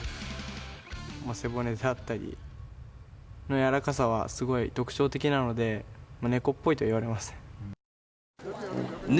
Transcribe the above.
背骨であったりの柔らかさはすごい特徴的なので、猫っぽいと言われますね。